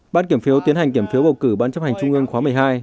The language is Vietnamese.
ban kiểm phiếu tiến hành kiểm phiếu bầu cử ban chấp hành trung ương khóa một mươi hai